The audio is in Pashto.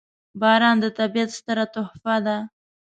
• باران د طبیعت ستره تحفه ده.